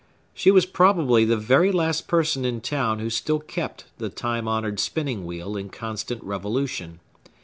She was probably the very last person in town who still kept the time honored spinning wheel in constant revolution.